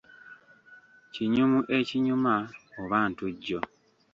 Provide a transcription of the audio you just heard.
Kinyumu ekinyuma oba ntujjo.